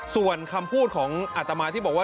ส่วนคำพูดของอัตมาที่บอกว่า